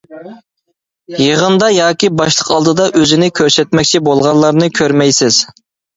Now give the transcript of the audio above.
يىغىندا ياكى باشلىق ئالدىدا ئۆزىنى كۆرسەتمەكچى بولغانلارنى كۆرمەيسىز.